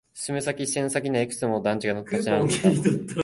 進む先、視線の先にはいくつも団地が立ち並んでいた。